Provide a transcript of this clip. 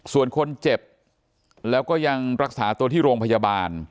ส่วนคนเจ็บแล้วก็ยังรักษาตัวที่โรงพยาบาล